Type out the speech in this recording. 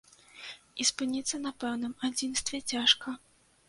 І спыніцца на пэўным адзінстве цяжка.